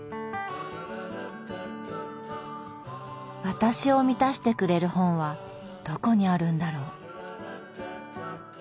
私を満たしてくれる本はどこにあるんだろう。